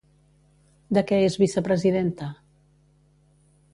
De què és vicepresidenta?